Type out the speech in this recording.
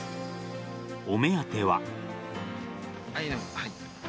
お目当ては。